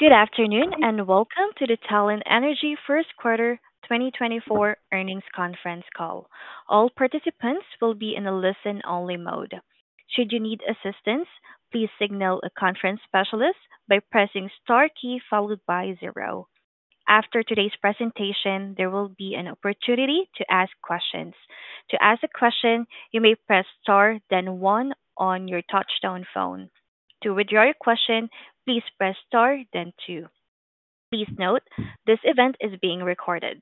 Good afternoon, and welcome to the Talen Energy Q1 2024 earnings conference call. All participants will be in a listen-only mode. Should you need assistance, please signal a conference specialist by pressing Star key followed by zero. After today's presentation, there will be an opportunity to ask questions. To ask a question, you may press Star, then one on your touchtone phone. To withdraw your question, please press Star, then two. Please note, this event is being recorded.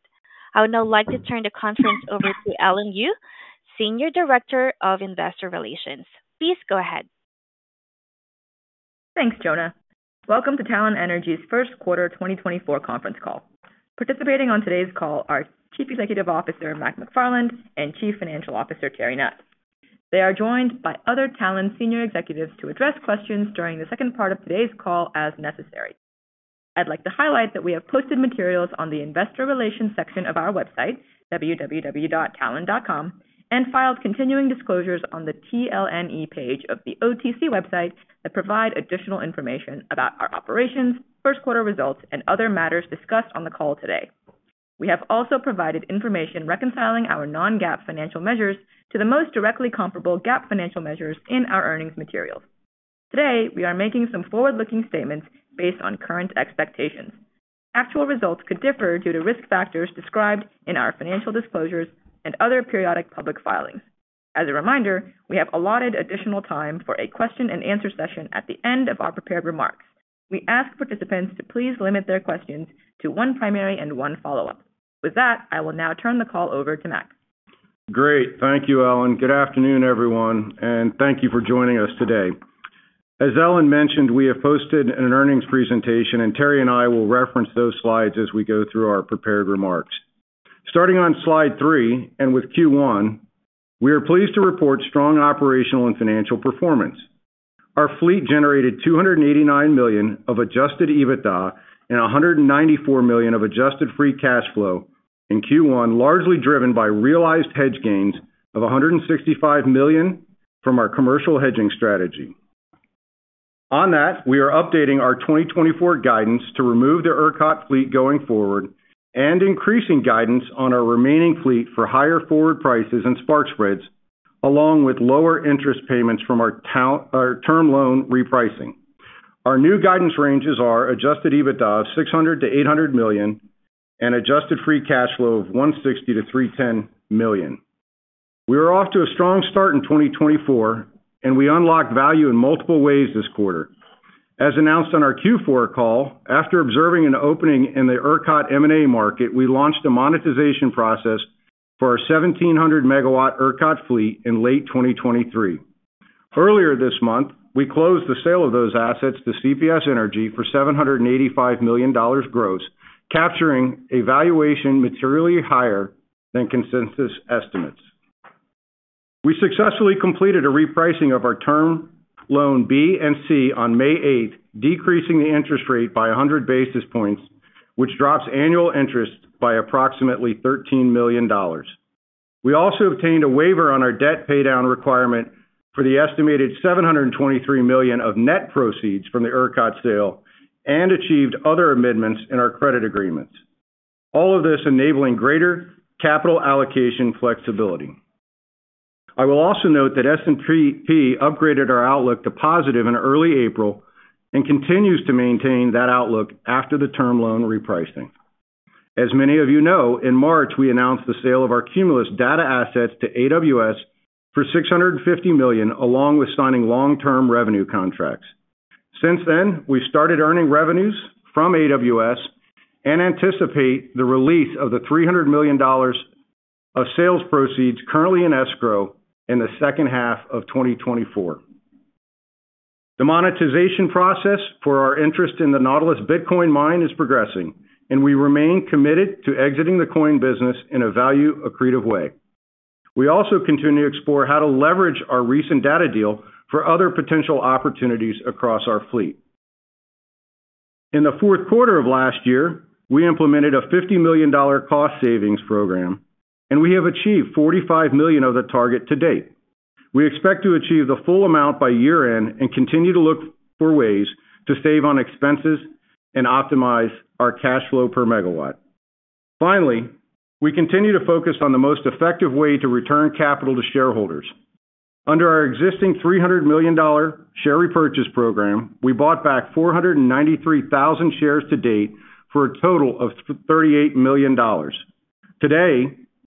I would now like to turn the conference over to Ellen Liu, Senior Director of Investor Relations. Please go ahead. Thanks, Jonah. Welcome to Talen Energy's Q1 2024 conference call. Participating on today's call are Chief Executive Officer Mac McFarland and Chief Financial Officer Terry Nutt. They are joined by other Talen senior executives to address questions during the second part of today's call, as necessary. I'd like to highlight that we have posted materials on the investor relations section of our website, www.talenenergy.com, and filed continuing disclosures on the TLNE page of the OTC website that provide additional information about our operations, Q1 results, and other matters discussed on the call today. We have also provided information reconciling our non-GAAP financial measures to the most directly comparable GAAP financial measures in our earnings materials. Today, we are making some forward-looking statements based on current expectations. Actual results could differ due to risk factors described in our financial disclosures and other periodic public filings. As a reminder, we have allotted additional time for a question-and-answer session at the end of our prepared remarks. We ask participants to please limit their questions to one primary and one follow-up. With that, I will now turn the call over to Mac. Great. Thank you, Ellen. Good afternoon, everyone, and thank you for joining us today. As Ellen mentioned, we have posted an earnings presentation, and Terry and I will reference those slides as we go through our prepared remarks. Starting on slide three, and with Q1, we are pleased to report strong operational and financial performance. Our fleet generated $289 million of adjusted EBITDA and $194 million of adjusted free cash flow in Q1, largely driven by realized hedge gains of $165 million from our commercial hedging strategy. On that, we are updating our 2024 guidance to remove the ERCOT fleet going forward and increasing guidance on our remaining fleet for higher forward prices and spark spreads, along with lower interest payments from our term loan repricing. Our new guidance ranges are: Adjusted EBITDA $600 to 800 million, and Adjusted Free Cash Flow of $160 million-$310 million. We are off to a strong start in 2024, and we unlocked value in multiple ways this quarter. As announced on our Q4 call, after observing an opening in the ERCOT M&A market, we launched a monetization process for our 1,700-megawatt ERCOT fleet in late 2023. Earlier this month, we closed the sale of those assets to CPS Energy for $785 million gross, capturing a valuation materially higher than consensus estimates. We successfully completed a repricing of our Term Loan B and C on May eighth, decreasing the interest rate by 100 basis points, which drops annual interest by approximately $13 million. We also obtained a waiver on our debt paydown requirement for the estimated $723 million of net proceeds from the ERCOT sale and achieved other amendments in our credit agreements, all of this enabling greater capital allocation flexibility. I will also note that S&P upgraded our outlook to positive in early April and continues to maintain that outlook after the term loan repricing. As many of you know, in March, we announced the sale of our Cumulus Data assets to AWS for $650 million, along with signing long-term revenue contracts. Since then, we started earning revenues from AWS and anticipate the release of the $300 million of sales proceeds currently in escrow in the second half of 2024. The monetization process for our interest in the Nautilus Bitcoin mine is progressing, and we remain committed to exiting the coin business in a value-accretive way. We also continue to explore how to leverage our recent data deal for other potential opportunities across our fleet. In the fourth quarter of last year, we implemented a $50 million cost savings program, and we have achieved $45 million of the target to date. We expect to achieve the full amount by year-end and continue to look for ways to save on expenses and optimize our cash flow per megawatt. Finally, we continue to focus on the most effective way to return capital to shareholders. Under our existing $300 million share repurchase program, we bought back 493,000 shares to date for a total of thirty-eight million dollars. Today,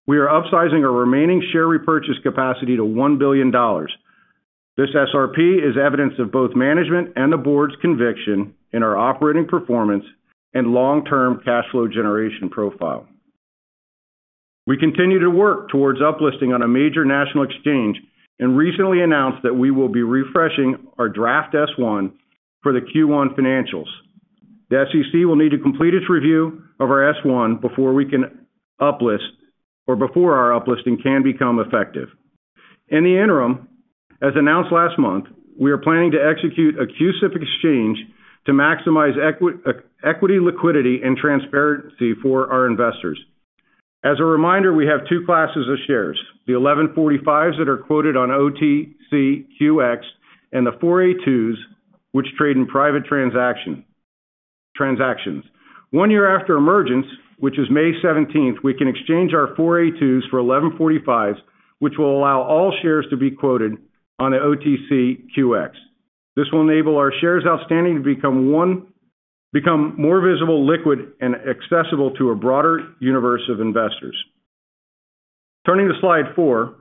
we are upsizing our remaining share repurchase capacity to $1 billion. This SRP is evidence of both management and the board's conviction in our operating performance and long-term cash flow generation profile. We continue to work towards uplisting on a major national exchange and recently announced that we will be refreshing our draft S-1 for the Q1 financials. The SEC will need to complete its review of our S-1 before we can uplist or before our uplisting can become effective. In the interim, as announced last month, we are planning to execute a CUSIP exchange to maximize equity, liquidity, and transparency for our investors. As a reminder, we have two classes of shares, the 1145 Securities that are quoted on OTCQX, and the 4(a)(2) Securities, which trade in private transactions. One year after emergence, which is May 17, we can exchange our 4(a)(2)s for 1145s, which will allow all shares to be quoted on the OTCQX. This will enable our shares outstanding to become more visible, liquid, and accessible to a broader universe of investors. Turning to Slide 4,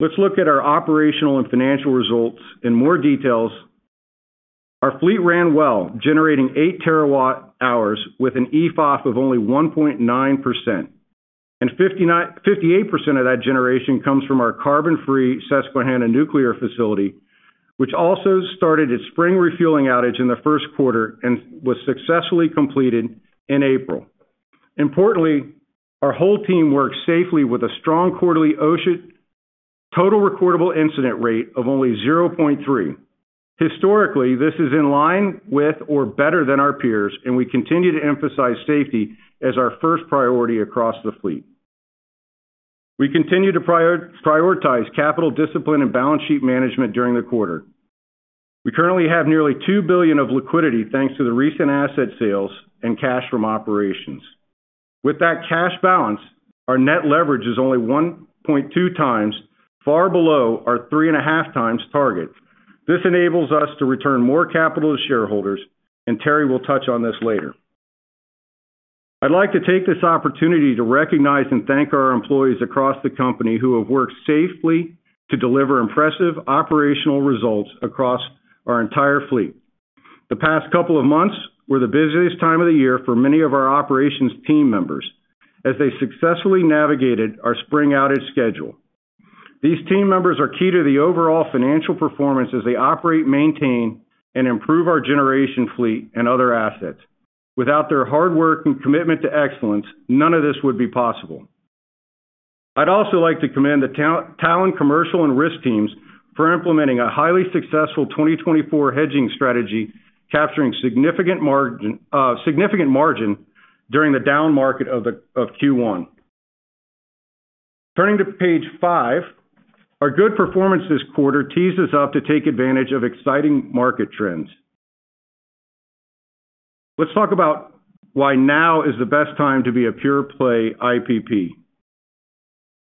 let's look at our operational and financial results in more details. Our fleet ran well, generating 8 TWh with an EFOF of only 1.9%. And 58% of that generation comes from our carbon-free Susquehanna nuclear facility, which also started its spring refueling outage in the Q1 and was successfully completed in April. Importantly, our whole team worked safely with a strong quarterly OSHA Total Recordable Incident Rate of only 0.3. Historically, this is in line with or better than our peers, and we continue to emphasize safety as our first priority across the fleet. We continue to prioritize capital discipline and balance sheet management during the quarter. We currently have nearly $2 billion of liquidity, thanks to the recent asset sales and cash from operations. With that cash balance, our net leverage is only 1.2 times, far below our 3.5 times target. This enables us to return more capital to shareholders, and Terry will touch on this later. I'd like to take this opportunity to recognize and thank our employees across the company who have worked safely to deliver impressive operational results across our entire fleet. The past couple of months were the busiest time of the year for many of our operations team members as they successfully navigated our spring outage schedule. These team members are key to the overall financial performance as they operate, maintain, and improve our generation fleet and other assets. Without their hard work and commitment to excellence, none of this would be possible. I'd also like to commend the Talen commercial and risk teams for implementing a highly successful 2024 hedging strategy, capturing significant margin, significant margin during the down market of the, of Q1. Turning to page five, our good performance this quarter tees us up to take advantage of exciting market trends. Let's talk about why now is the best time to be a pure-play IPP.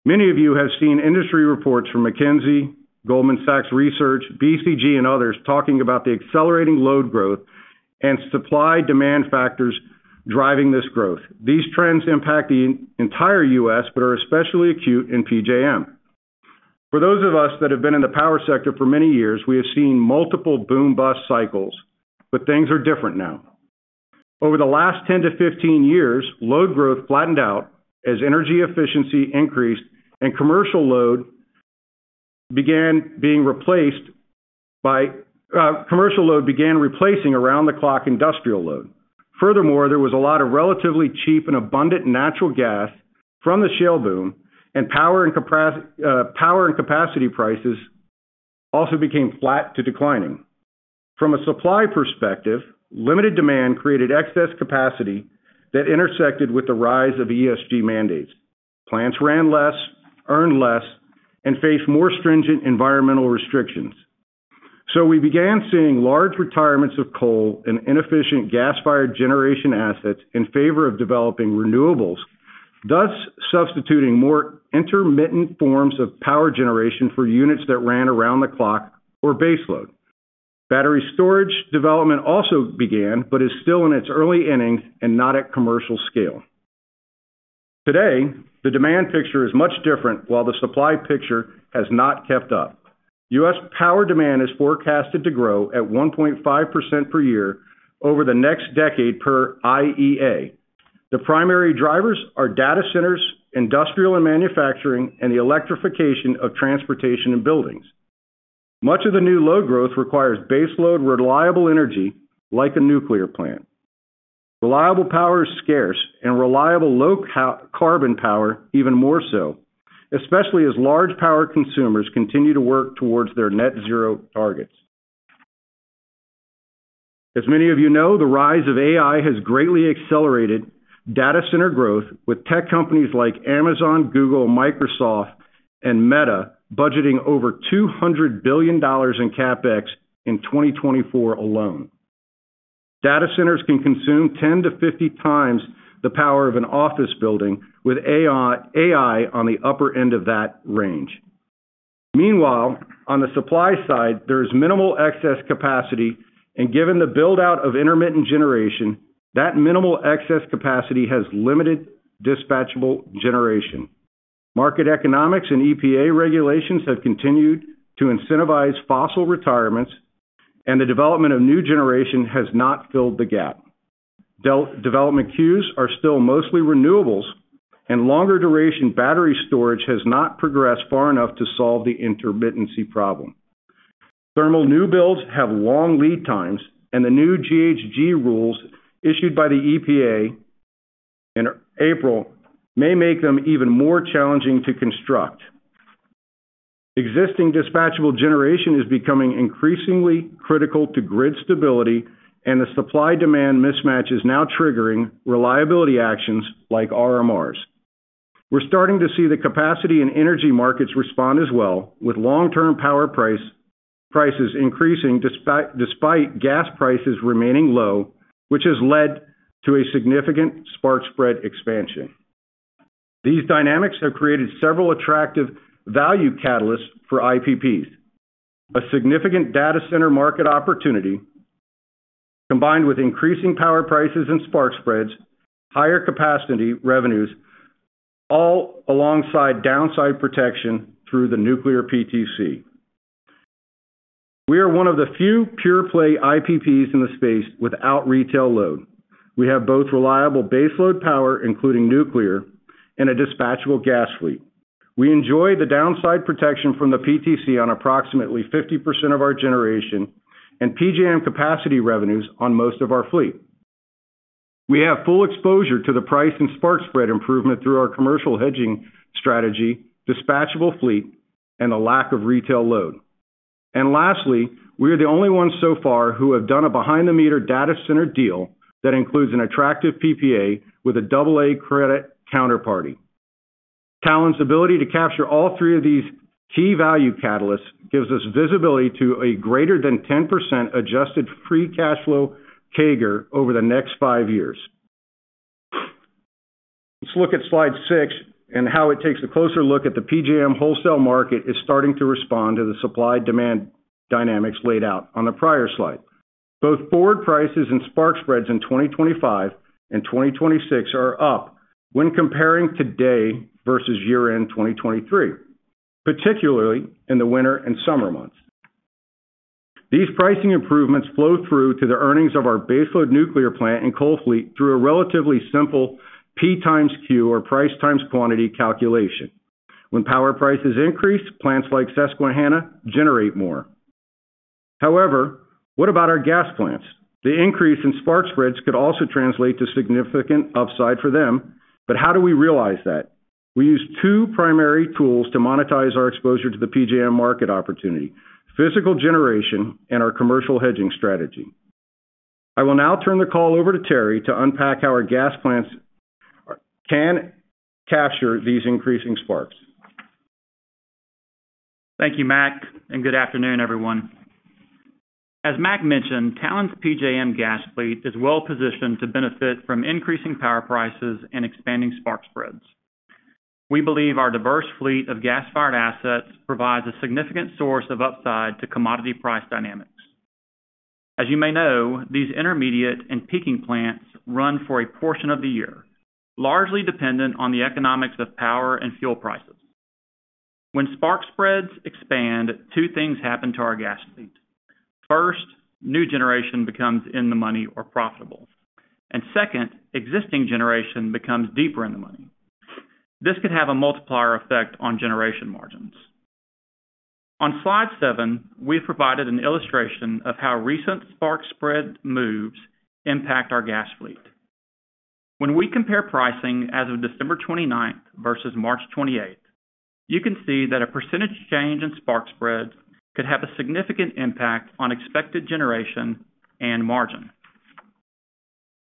Many of you have seen industry reports from McKinsey, Goldman Sachs Research, BCG, and others talking about the accelerating load growth and supply-demand factors driving this growth. These trends impact the entire U.S., but are especially acute in PJM. For those of us that have been in the power sector for many years, we have seen multiple boom-bust cycles, but things are different now. Over the last 10-15 years, load growth flattened out as energy efficiency increased and commercial load began replacing around-the-clock industrial load. Furthermore, there was a lot of relatively cheap and abundant natural gas from the shale boom, and power and capacity prices also became flat to declining. From a supply perspective, limited demand created excess capacity that intersected with the rise of ESG mandates. Plants ran less, earned less, and faced more stringent environmental restrictions. So we began seeing large retirements of coal and inefficient gas-fired generation assets in favor of developing renewables, thus substituting more intermittent forms of power generation for units that ran around the clock or baseload. Battery storage development also began, but is still in its early innings and not at commercial scale. Today, the demand picture is much different, while the supply picture has not kept up. U.S. power demand is forecasted to grow at 1.5% per year over the next decade, per IEA. The primary drivers are data centers, industrial and manufacturing, and the electrification of transportation and buildings. Much of the new load growth requires baseload, reliable energy, like a nuclear plant. Reliable power is scarce, and reliable low-carbon power even more so, especially as large power consumers continue to work towards their net zero targets. As many of you know, the rise of AI has greatly accelerated data center growth, with tech companies like Amazon, Google, Microsoft, and Meta budgeting over $200 billion in CapEx in 2024 alone. Data centers can consume 10-50 times the power of an office building, with AI, AI on the upper end of that range. Meanwhile, on the supply side, there is minimal excess capacity, and given the build-out of intermittent generation, that minimal excess capacity has limited dispatchable generation. Market economics and EPA regulations have continued to incentivize fossil retirements, and the development of new generation has not filled the gap. Development queues are still mostly renewables, and longer-duration battery storage has not progressed far enough to solve the intermittency problem. Thermal new builds have long lead times, and the new GHG rules issued by the EPA in April may make them even more challenging to construct. Existing dispatchable generation is becoming increasingly critical to grid stability, and the supply-demand mismatch is now triggering reliability actions like RMRs. We're starting to see the capacity and energy markets respond as well, with long-term power prices increasing, despite gas prices remaining low, which has led to a significant spark spread expansion. These dynamics have created several attractive value catalysts for IPPs. A significant data center market opportunity, combined with increasing power prices and spark spreads, higher capacity revenues, all alongside downside protection through the nuclear PTC. We are one of the few pure-play IPPs in the space without retail load. We have both reliable baseload power, including nuclear, and a dispatchable gas fleet. We enjoy the downside protection from the PTC on approximately 50% of our generation and PJM capacity revenues on most of our fleet. We have full exposure to the price and spark spread improvement through our commercial hedging strategy, dispatchable fleet, and a lack of retail load. Lastly, we are the only ones so far who have done a behind-the-meter data center deal that includes an attractive PPA with a double A credit counterparty. Talen's ability to capture all three of these key value catalysts gives us visibility to a greater than 10% adjusted free cash flow CAGR over the next five years. Let's look at slide 6 and how it takes a closer look at the PJM wholesale market is starting to respond to the supply-demand dynamics laid out on the prior slide. Both forward prices and spark spreads in 2025 and 2026 are up when comparing today versus year-end 2023, particularly in the winter and summer months. These pricing improvements flow through to the earnings of our baseload nuclear plant and coal fleet through a relatively simple P times Q, or price times quantity, calculation. When power prices increase, plants like Susquehanna generate more. However, what about our gas plants? The increase in spark spreads could also translate to significant upside for them, but how do we realize that? We use two primary tools to monetize our exposure to the PJM market opportunity: physical generation and our commercial hedging strategy. I will now turn the call over to Terry to unpack how our gas plants can capture these increasing sparks. Thank you, Mac, and good afternoon, everyone. As Mac mentioned, Talen's PJM gas fleet is well positioned to benefit from increasing power prices and expanding spark spreads. We believe our diverse fleet of gas-fired assets provides a significant source of upside to commodity price dynamics. As you may know, these intermediate and peaking plants run for a portion of the year, largely dependent on the economics of power and fuel prices. When spark spreads expand, two things happen to our gas fleet. First, new generation becomes in the money or profitable, and second, existing generation becomes deeper in the money. This could have a multiplier effect on generation margins. On slide seven, we provided an illustration of how recent spark spread moves impact our gas fleet. When we compare pricing as of December 29th versus March 28th, you can see that a percentage change in spark spreads could have a significant impact on expected generation and margin.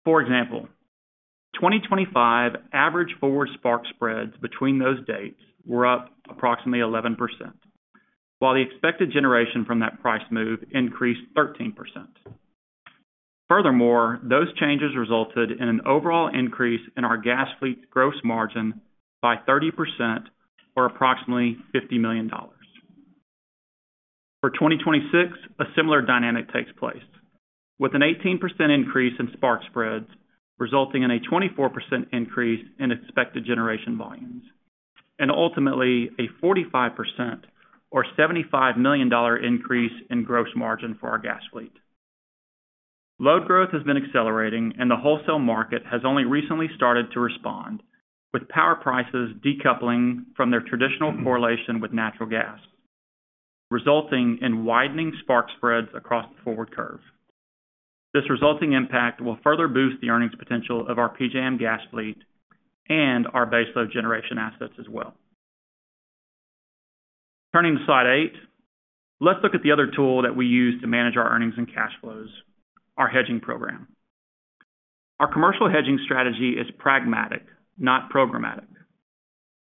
For example, 2025 average forward spark spreads between those dates were up approximately 11%, while the expected generation from that price move increased 13%. Furthermore, those changes resulted in an overall increase in our gas fleet's gross margin by 30% or approximately $50 million. For 2026, a similar dynamic takes place, with an 18% increase in spark spreads, resulting in a 24% increase in expected generation volumes, and ultimately a 45% or $75 million dollar increase in gross margin for our gas fleet. Load growth has been accelerating, and the wholesale market has only recently started to respond, with power prices decoupling from their traditional correlation with natural gas, resulting in widening spark spreads across the forward curve. This resulting impact will further boost the earnings potential of our PJM gas fleet and our baseload generation assets as well. Turning to slide eight, let's look at the other tool that we use to manage our earnings and cash flows, our hedging program. Our commercial hedging strategy is pragmatic, not programmatic.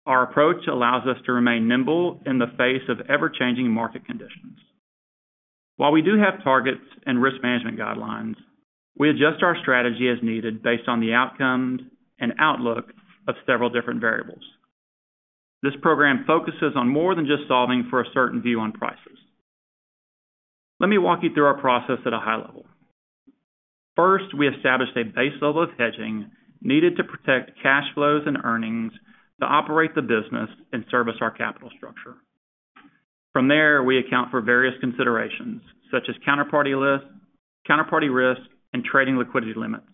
Our approach allows us to remain nimble in the face of ever-changing market conditions. While we do have targets and risk management guidelines, we adjust our strategy as needed based on the outcomes and outlook of several different variables. This program focuses on more than just solving for a certain view on prices. Let me walk you through our process at a high level. First, we establish a base level of hedging needed to protect cash flows and earnings to operate the business and service our capital structure. From there, we account for various considerations, such as counterparty risk, and trading liquidity limits,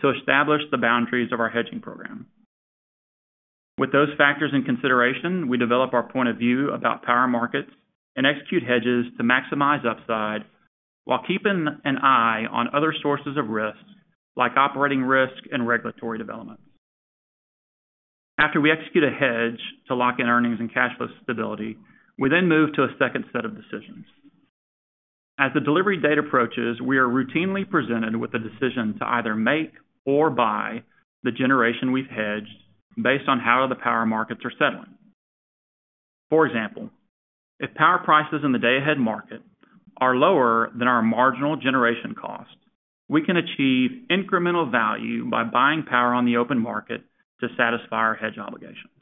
to establish the boundaries of our hedging program. With those factors in consideration, we develop our point of view about power markets and execute hedges to maximize upside while keeping an eye on other sources of risks, like operating risk and regulatory developments. After we execute a hedge to lock in earnings and cash flow stability, we then move to a second set of decisions. As the delivery date approaches, we are routinely presented with a decision to either make or buy the generation we've hedged based on how the power markets are settling. For example, if power prices in the day-ahead market are lower than our marginal generation cost, we can achieve incremental value by buying power on the open market to satisfy our hedge obligations.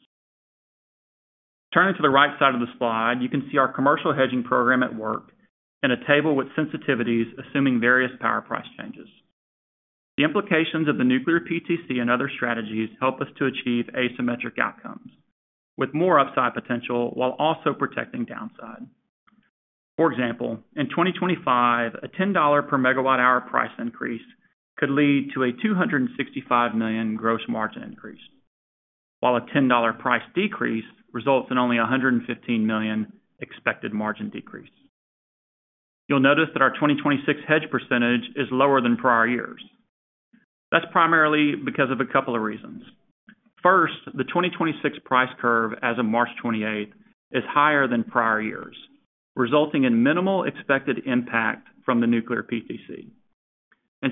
Turning to the right side of the slide, you can see our commercial hedging program at work in a table with sensitivities, assuming various power price changes. The implications of the nuclear PTC and other strategies help us to achieve asymmetric outcomes, with more upside potential while also protecting downside. For example, in 2025, a $10 per megawatt-hour price increase could lead to a $265 million gross margin increase, while a $10 price decrease results in only a $115 million expected margin decrease. You'll notice that our 2026 hedge percentage is lower than prior years. That's primarily because of a couple of reasons. First, the 2026 price curve as of March 28 is higher than prior years, resulting in minimal expected impact from the nuclear PTC.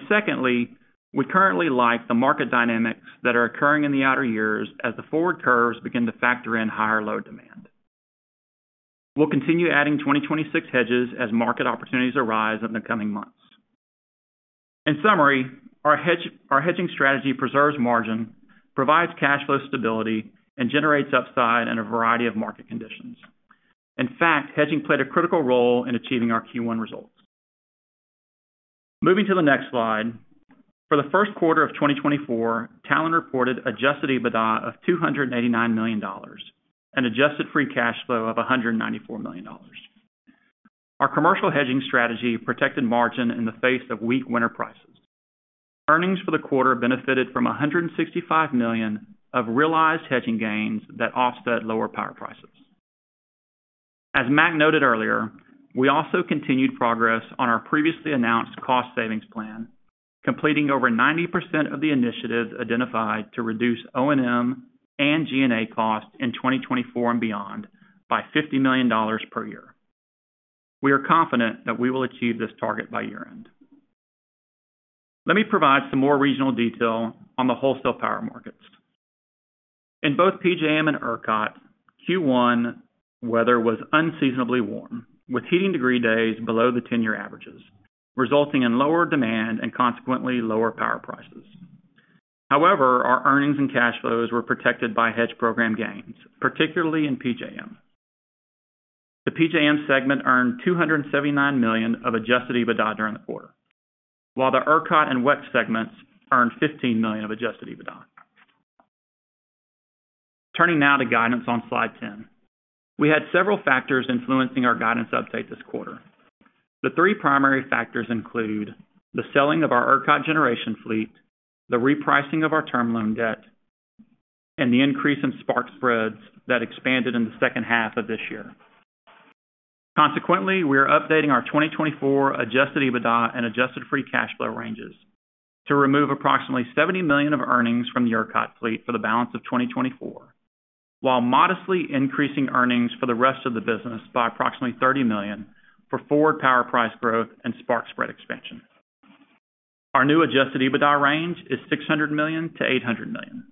Secondly, we currently like the market dynamics that are occurring in the outer years as the forward curves begin to factor in higher load demand. We'll continue adding 2026 hedges as market opportunities arise in the coming months. In summary, our hedge—our hedging strategy preserves margin, provides cash flow stability, and generates upside in a variety of market conditions. In fact, hedging played a critical role in achieving our Q1 results. Moving to the next slide, for the Q1 of 2024, Talen reported adjusted EBITDA of $289 million and adjusted free cash flow of $194 million. Our commercial hedging strategy protected margin in the face of weak winter prices. Earnings for the quarter benefited from $165 million of realized hedging gains that offset lower power prices. As Matt noted earlier, we also continued progress on our previously announced cost savings plan, completing over 90% of the initiatives identified to reduce O&M and G&A costs in 2024 and beyond by $50 million per year. We are confident that we will achieve this target by year-end. Let me provide some more regional detail on the wholesale power markets. In both PJM and ERCOT, Q1 weather was unseasonably warm, with heating degree days below the 10-year averages, resulting in lower demand and consequently lower power prices. However, our earnings and cash flows were protected by hedge program gains, particularly in PJM. The PJM segment earned $279 million of Adjusted EBITDA during the quarter, while the ERCOT and WECC segments earned $15 million of Adjusted EBITDA. Turning now to guidance on Slide 10. We had several factors influencing our guidance update this quarter. The three primary factors include: the selling of our ERCOT generation fleet, the repricing of our term loan debt, and the increase in spark spreads that expanded in the second half of this year. Consequently, we are updating our 2024 Adjusted EBITDA and Adjusted Free Cash Flow ranges to remove approximately $70 million of earnings from the ERCOT fleet for the balance of 2024, while modestly increasing earnings for the rest of the business by approximately $30 million for forward power price growth and spark spread expansion. Our new Adjusted EBITDA range is $600 to 800 million.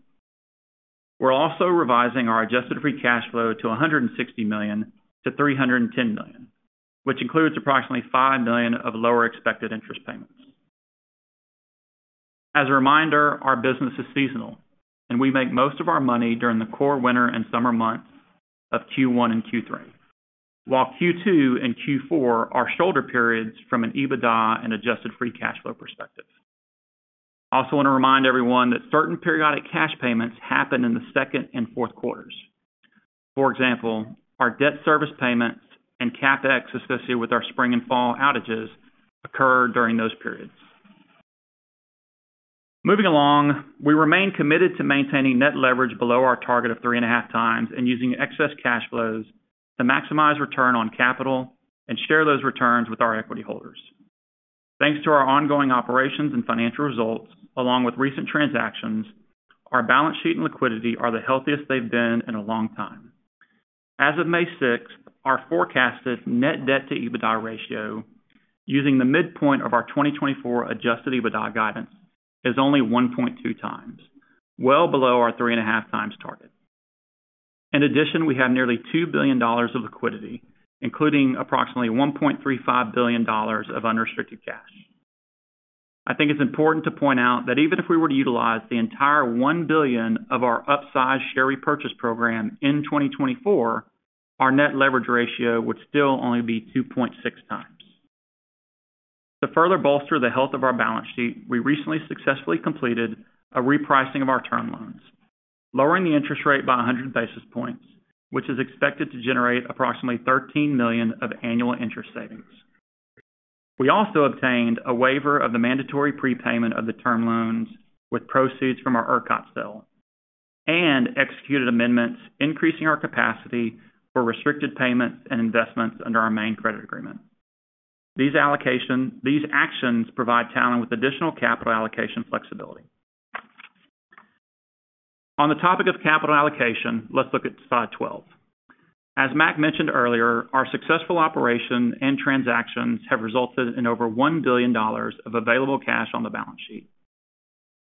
We're also revising our adjusted free cash flow to $160 to 310 million, which includes approximately $5 million of lower expected interest payments. As a reminder, our business is seasonal, and we make most of our money during the core winter and summer months of Q1 and Q3, while Q2 and Q4 are shoulder periods from an EBITDA and adjusted free cash flow perspective. I also want to remind everyone that certain periodic cash payments happen in the second and fourth quarters. For example, our debt service payments and CapEx associated with our spring and fall outages occur during those periods. Moving along, we remain committed to maintaining net leverage below our target of 3.5 times and using excess cash flows to maximize return on capital and share those returns with our equity holders. Thanks to our ongoing operations and financial results, along with recent transactions, our balance sheet and liquidity are the healthiest they've been in a long time. As of May 6, our forecasted net debt to EBITDA ratio, using the midpoint of our 2024 adjusted EBITDA guidance, is only 1.2 times, well below our 3.5 times target. In addition, we have nearly $2 billion of liquidity, including approximately $1.35 billion of unrestricted cash. I think it's important to point out that even if we were to utilize the entire $1 billion of our upsized share repurchase program in 2024, our net leverage ratio would still only be 2.6 times. To further bolster the health of our balance sheet, we recently successfully completed a repricing of our term loans, lowering the interest rate by 100 basis points, which is expected to generate approximately $13 million of annual interest savings. We also obtained a waiver of the mandatory prepayment of the term loans with proceeds from our ERCOT sale and executed amendments, increasing our capacity for restricted payments and investments under our main credit agreement. These actions provide Talen with additional capital allocation flexibility. On the topic of capital allocation, let's look at slide 12. As Mac mentioned earlier, our successful operation and transactions have resulted in over $1 billion of available cash on the balance sheet.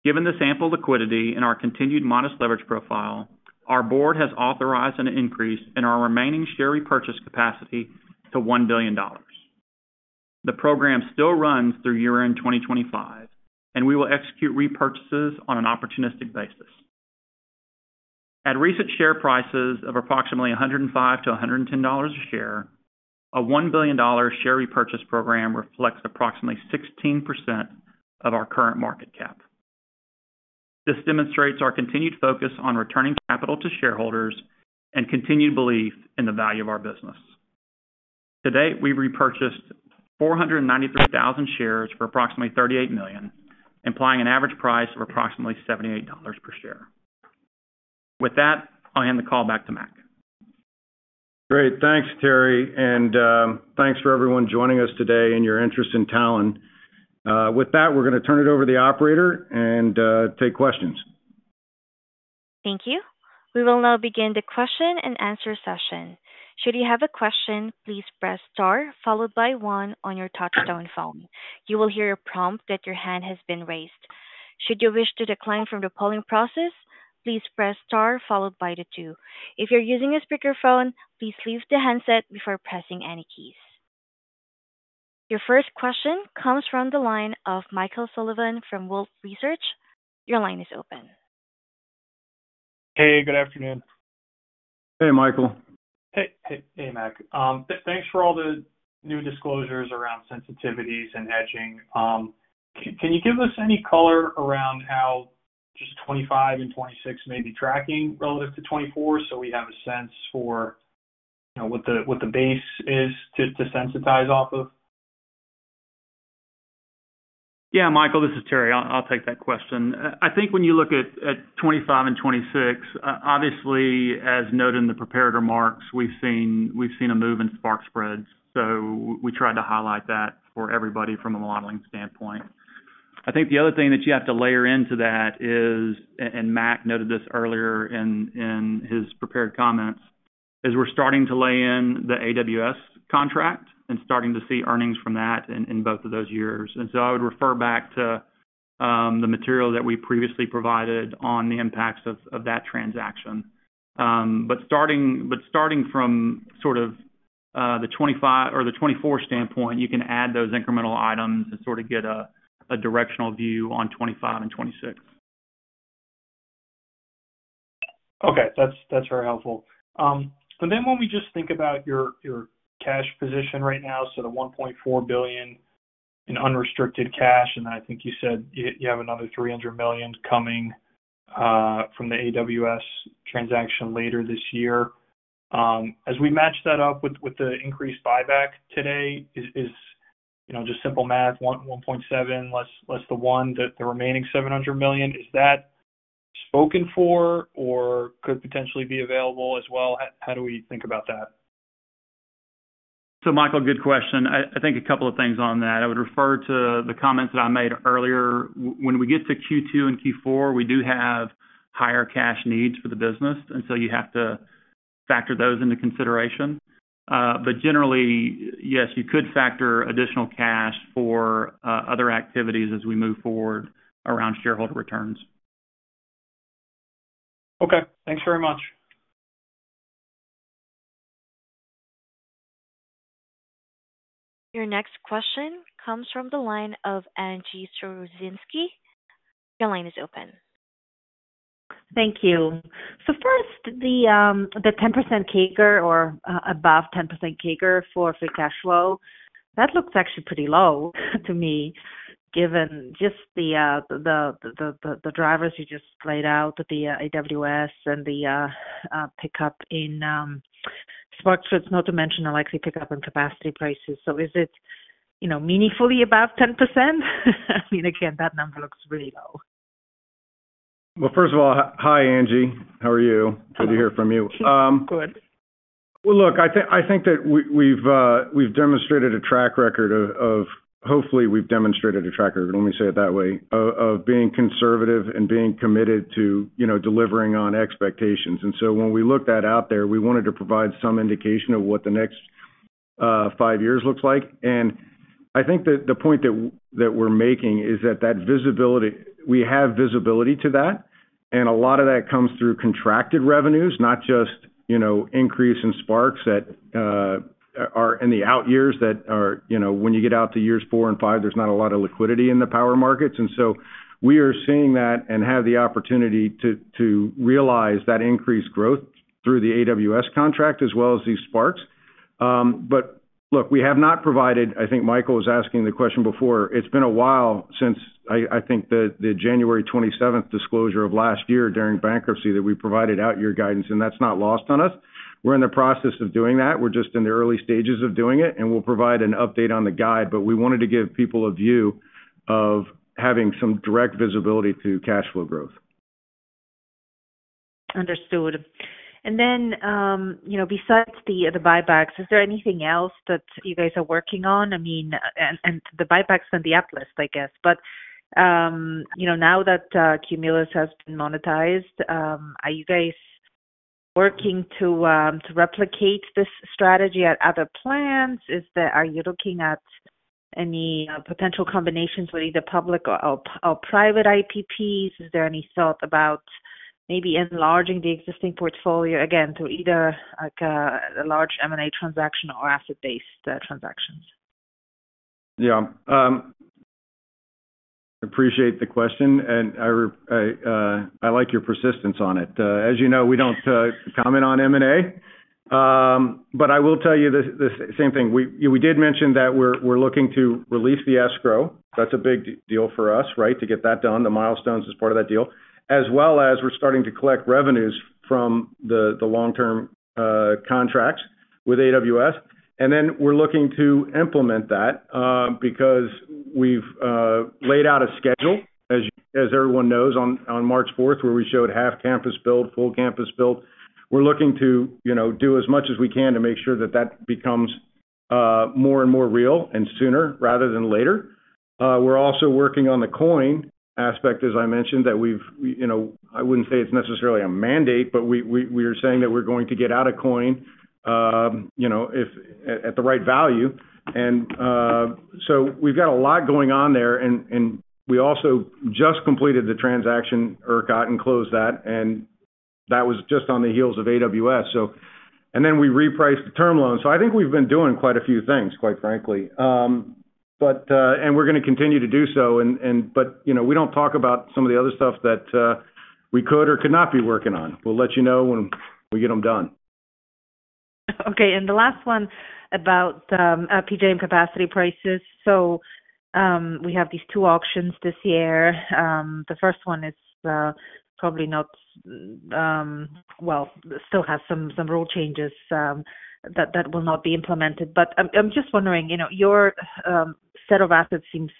Given the ample liquidity and our continued modest leverage profile, our board has authorized an increase in our remaining share repurchase capacity to $1 billion. The program still runs through year-end 2025, and we will execute repurchases on an opportunistic basis. At recent share prices of approximately $105-$110 a share, a $1 billion share repurchase program reflects approximately 16% of our current market cap. This demonstrates our continued focus on returning capital to shareholders and continued belief in the value of our business. To date, we've repurchased 493,000 shares for approximately $38 million, implying an average price of approximately $78 per share. With that, I'll hand the call back to Mac. Great. Thanks, Terry, and thanks for everyone joining us today and your interest in Talen. With that, we're going to turn it over to the operator and take questions. Thank you. We will now begin the question and answer session. Should you have a question, please press star followed by one on your touch-tone phone. You will hear a prompt that your hand has been raised. Should you wish to decline from the polling process, please press star followed by the two. If you're using a speakerphone, please leave the handset before pressing any keys. Your first question comes from the line of Michael Sullivan from Wolfe Research. Your line is open. Hey, good afternoon. Hey, Michael. Hey, hey, Mac. Thanks for all the new disclosures around sensitivities and hedging. Can you give us any color around how just 2025 and 2026 may be tracking relative to 2024 so we have a sense for, you know, what the base is just to sensitize off of? Yeah, Michael, this is Terry. I'll take that question. I think when you look at 2025 and 2026, obviously, as noted in the prepared remarks, we've seen a move in spark spreads, so we tried to highlight that for everybody from a modeling standpoint. I think the other thing that you have to layer into that is, and Mac noted this earlier in his prepared comments, is we're starting to lay in the AWS contract and starting to see earnings from that in both of those years. And so I would refer back to the material that we previously provided on the impacts of that transaction. But starting from sort of the 2025 or the 2024 standpoint, you can add those incremental items and sort of get a directional view on 2025 and 2026. Okay. That's very helpful. But then when we just think about your cash position right now, so the $1.4 billion in unrestricted cash, and I think you said you have another $300 million coming from the AWS transaction later this year. As we match that up with the increased buyback today, is you know just simple math, $1.7 billion less the remaining $700 million, is that spoken for or could potentially be available as well? How do we think about that? So, Michael, good question. I think a couple of things on that. I would refer to the comments that I made earlier. When we get to Q2 and Q4, we do have higher cash needs for the business, and so you have to factor those into consideration. But generally, yes, you could factor additional cash for other activities as we move forward around shareholder returns. Okay, thanks very much. Your next question comes from the line of Angie Storozynski. Your line is open. Thank you. First, the 10% CAGR or above 10% CAGR for free cash flow, that looks actually pretty low to me, given just the drivers you just laid out, the AWS and the pickup in spark spreads, not to mention the likely pickup in capacity prices. So is it, you know, meaningfully above 10%? I mean, again, that number looks really low. Well, first of all, hi, Angie. How are you? Good. Good to hear from you. Good. Well, look, I think that we have demonstrated a track record, let me say it that way, of being conservative and being committed to, you know, delivering on expectations. So when we look at that out there, we wanted to provide some indication of what the next five years looks like. And I think that the point that we're making is that visibility—we have visibility to that, and a lot of that comes through contracted revenues, not just, you know, increase in spark spreads that are in the out years that are... You know, when you get out to years four and five, there's not a lot of liquidity in the power markets. So we are seeing that and have the opportunity to realize that increased growth through the AWS contract as well as these sparks. But look, we have not provided. I think Michael was asking the question before. It's been a while since I think the January 27th disclosure of last year during bankruptcy, that we provided out-year guidance, and that's not lost on us. We're in the process of doing that. We're just in the early stages of doing it, and we'll provide an update on the guide, but we wanted to give people a view of having some direct visibility to cash flow growth.... Understood. And then, you know, besides the buybacks, is there anything else that you guys are working on? I mean, and the buybacks and the uplist, I guess. But, you know, now that Cumulus has been monetized, are you guys working to replicate this strategy at other plants? Are you looking at any potential combinations with either public or private IPPs? Is there any thought about maybe enlarging the existing portfolio again to either, like, a large M&A transaction or asset-based transactions? Yeah. Appreciate the question, and I like your persistence on it. As you know, we don't comment on M&A. But I will tell you the same thing. We did mention that we're looking to release the escrow. That's a big deal for us, right? To get that done, the milestones as part of that deal, as well as we're starting to collect revenues from the long-term contracts with AWS. And then we're looking to implement that, because we've laid out a schedule, as everyone knows, on March fourth, where we showed half campus build, full campus build. We're looking to, you know, do as much as we can to make sure that that becomes more and more real and sooner rather than later. We're also working on the coin aspect, as I mentioned, that we've, you know, I wouldn't say it's necessarily a mandate, but we are saying that we're going to get out of coin, you know, if at, at the right value. And so we've got a lot going on there, and we also just completed the transaction, ERCOT, and closed that, and that was just on the heels of AWS, so. And then we repriced the term loan. So I think we've been doing quite a few things, quite frankly. But and we're gonna continue to do so. And but, you know, we don't talk about some of the other stuff that we could or could not be working on. We'll let you know when we get them done. Okay, and the last one about PJM capacity prices. So, we have these two auctions this year. The first one is probably not. Well, still has some rule changes that will not be implemented. But I'm just wondering, you know, your set of assets seems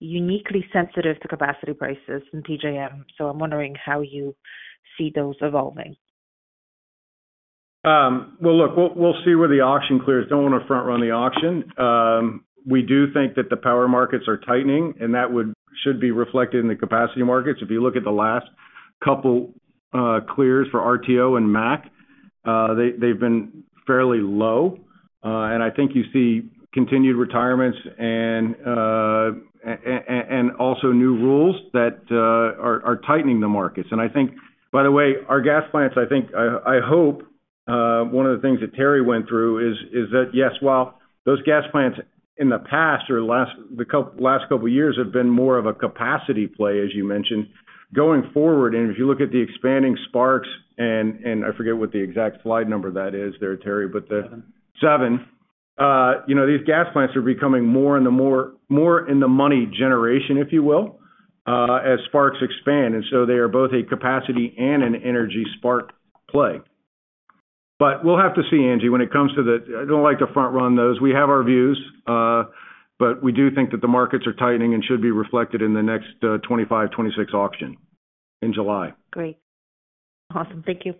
uniquely sensitive to capacity prices in PJM, so I'm wondering how you see those evolving. Well, look, we'll, we'll see where the auction clears. Don't want to front run the auction. We do think that the power markets are tightening, and that should be reflected in the capacity markets. If you look at the last couple clears for RTO and MAC, they, they've been fairly low. And I think you see continued retirements and also new rules that are tightening the markets. I think, by the way, our gas plants, I think, I hope, one of the things that Terry went through is that, yes, while those gas plants in the past or last couple of years have been more of a capacity play, as you mentioned, going forward, and if you look at the expanding spark spreads, and I forget what the exact slide number that is there, Terry, but the- Seven. Seven. You know, these gas plants are becoming more in the money generation, if you will, as spark spreads expand, and so they are both a capacity and an energy spark spread play. But we'll have to see, Angie, when it comes to the... I don't like to front run those. We have our views, but we do think that the markets are tightening and should be reflected in the next, 25, 26 auction in July. Great. Awesome. Thank you.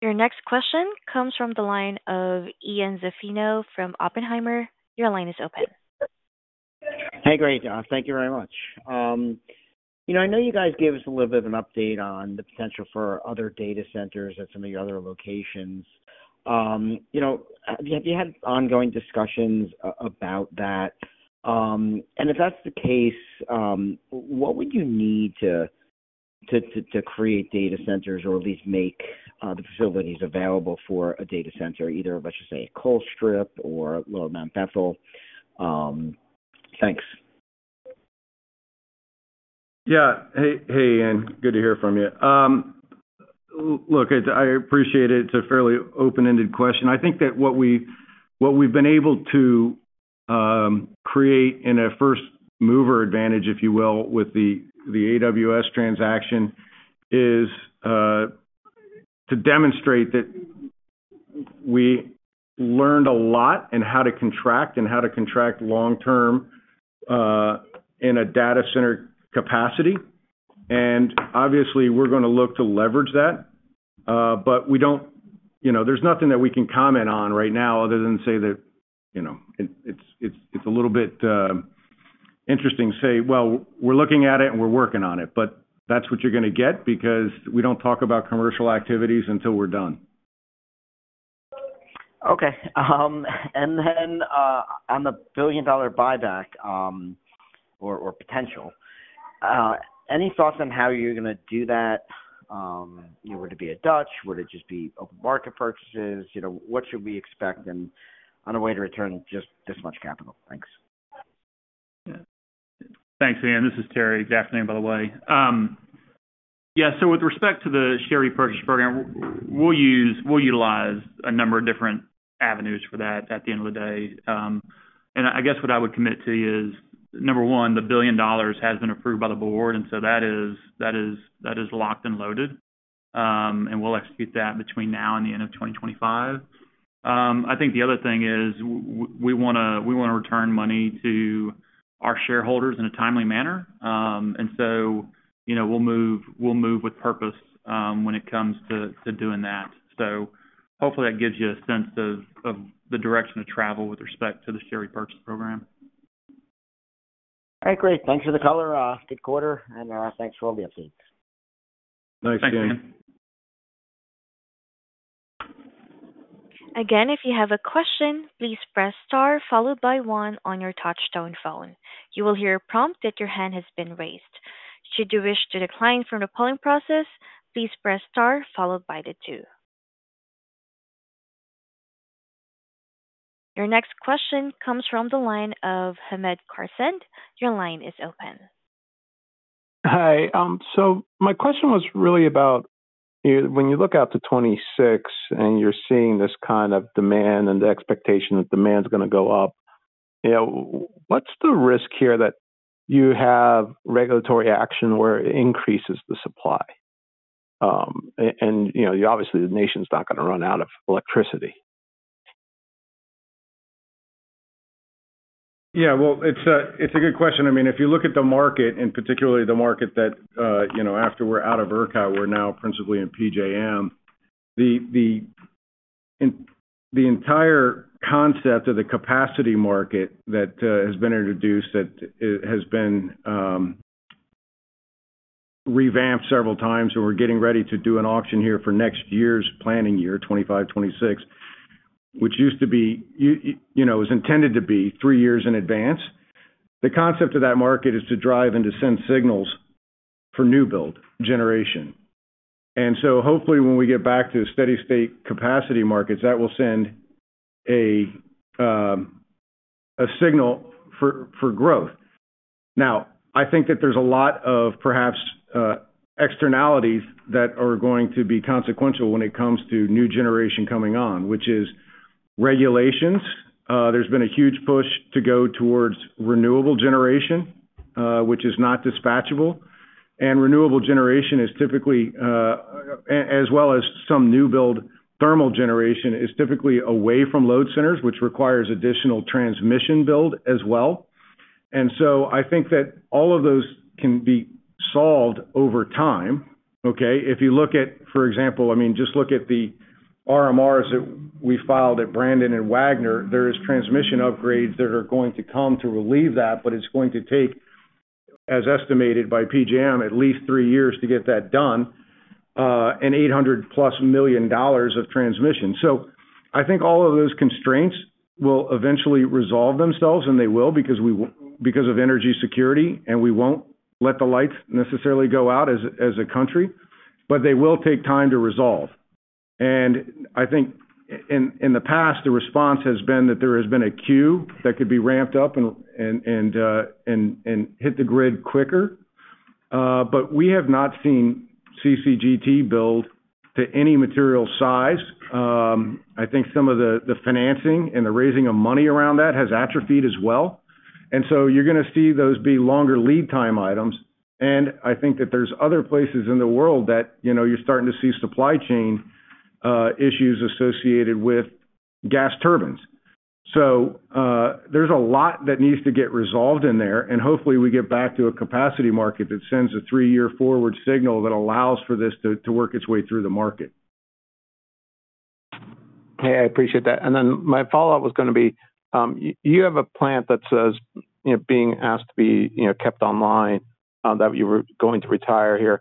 Your next question comes from the line of Ian Zaffino from Oppenheimer. Your line is open. Hey, great, thank you very much. You know, I know you guys gave us a little bit of an update on the potential for other data centers at some of your other locations. You know, have you had ongoing discussions about that? And if that's the case, what would you need to create data centers or at least make the facilities available for a data center, either, let's just say, Colstrip or Lower Mount Bethel? Thanks. Yeah. Hey, hey, Ian. Good to hear from you. Look, it's. I appreciate it. It's a fairly open-ended question. I think that what we, what we've been able to create in a first mover advantage, if you will, with the AWS transaction, is to demonstrate that we learned a lot in how to contract and how to contract long term in a data center capacity. And obviously, we're gonna look to leverage that, but we don't... You know, there's nothing that we can comment on right now other than say that, you know, it, it's, it's, it's a little bit interesting to say, "Well, we're looking at it, and we're working on it," but that's what you're gonna get because we don't talk about commercial activities until we're done. Okay. And then, on the billion-dollar buyback, or potential, any thoughts on how you're gonna do that? You know, would it be a Dutch? Would it just be open market purchases? You know, what should we expect, and any way to return just this much capital? Thanks. Yeah. Thanks, Ian. This is Terry. Good afternoon, by the way. Yeah, so with respect to the share repurchase program, we'll utilize a number of different avenues for that at the end of the day. And I guess what I would commit to you is, number one, the $1 billion has been approved by the board, and so that is locked and loaded. And we'll execute that between now and the end of 2025. I think the other thing is we wanna return money to our shareholders in a timely manner. And so, you know, we'll move with purpose when it comes to doing that. So hopefully that gives you a sense of the direction of travel with respect to the share repurchase program. All right, great. Thanks for the call. Good quarter, and thanks for all the updates. Thanks, Dan. Thanks, Dan. Again, if you have a question, please press star followed by one on your touchtone phone. You will hear a prompt that your hand has been raised. Should you wish to decline from the polling process, please press star followed by the two. Your next question comes from the line of Ahmed Carsent. Your line is open. Hi. So my question was really about you—when you look out to 2026, and you're seeing this kind of demand and the expectation that demand is gonna go up, you know, what's the risk here that you have regulatory action where it increases the supply? And, you know, obviously, the nation's not gonna run out of electricity. Yeah, well, it's a good question. I mean, if you look at the market, and particularly the market that, you know, after we're out of ERCOT, we're now principally in PJM, the entire concept of the capacity market that has been introduced, that has been revamped several times, so we're getting ready to do an auction here for next year's planning year, 25, 26, which used to be, you know, is intended to be three years in advance. The concept of that market is to drive and to send signals for new build generation. And so hopefully when we get back to steady-state capacity markets, that will send a signal for growth. Now, I think that there's a lot of perhaps externalities that are going to be consequential when it comes to new generation coming on, which is regulations. There's been a huge push to go towards renewable generation, which is not dispatchable. And renewable generation is typically, as well as some new build thermal generation, is typically away from load centers, which requires additional transmission build as well. And so I think that all of those can be solved over time, okay? If you look at, for example, I mean, just look at the RMRs that we filed at Brandon and Wagner. There is transmission upgrades that are going to come to relieve that, but it's going to take, as estimated by PJM, at least three years to get that done, and $800+ million of transmission. So I think all of those constraints will eventually resolve themselves, and they will because of energy security, and we won't let the lights necessarily go out as a country, but they will take time to resolve. And I think in the past, the response has been that there has been a queue that could be ramped up and hit the grid quicker, but we have not seen CCGT build to any material size. I think some of the financing and the raising of money around that has atrophied as well. And so you're gonna see those be longer lead time items, and I think that there's other places in the world that, you know, you're starting to see supply chain issues associated with gas turbines. So, there's a lot that needs to get resolved in there, and hopefully, we get back to a capacity market that sends a three-year forward signal that allows for this to work its way through the market. Hey, I appreciate that. And then my follow-up was gonna be, you have a plant that says, you know, being asked to be, you know, kept online, that you were going to retire here.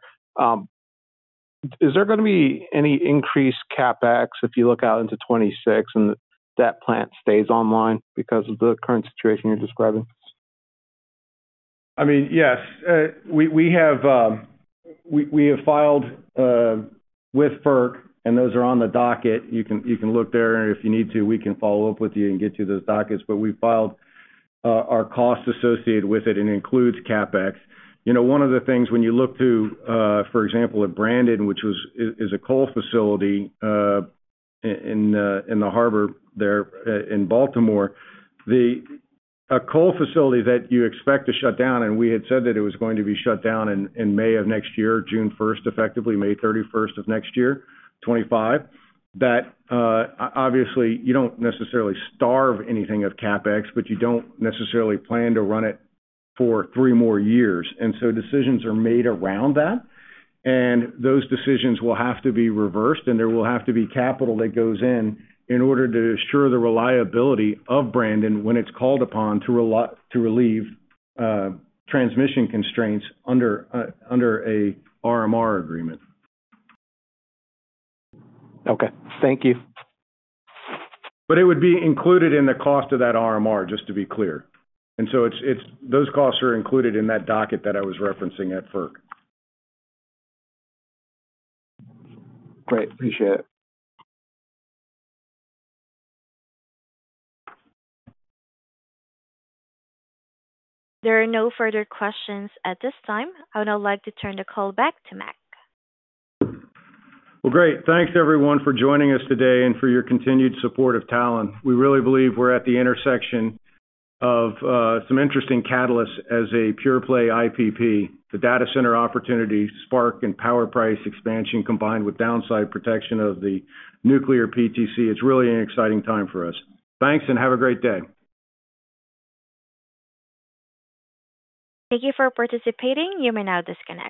Is there gonna be any increased CapEx if you look out into 2026 and that plant stays online because of the current situation you're describing? I mean, yes. We have filed with FERC, and those are on the docket. You can look there, and if you need to, we can follow up with you and get you those dockets. But we filed our costs associated with it, and it includes CapEx. You know, one of the things when you look to, for example, at Brandon, which is a coal facility in the harbor there in Baltimore, a coal facility that you expect to shut down, and we had said that it was going to be shut down in May of next year, June 1, effectively May 31 of next year, 2025. That, obviously, you don't necessarily starve anything of CapEx, but you don't necessarily plan to run it for three more years, and so decisions are made around that. And those decisions will have to be reversed, and there will have to be capital that goes in in order to ensure the reliability of Brandon when it's called upon to relieve transmission constraints under a RMR agreement. Okay, thank you. But it would be included in the cost of that RMR, just to be clear. And so it's those costs are included in that docket that I was referencing at FERC. Great. Appreciate it. There are no further questions at this time. I would now like to turn the call back to Mac. Well, great. Thanks, everyone, for joining us today and for your continued support of Talen. We really believe we're at the intersection of some interesting catalysts as a pure play IPP. The data center opportunity, spark and power price expansion, combined with downside protection of the nuclear PTC. It's really an exciting time for us. Thanks, and have a great day. Thank you for participating. You may now disconnect.